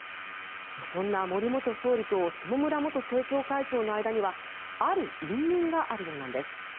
そんな森元総理と下村元政調会長の間にはある因縁があるようなんです。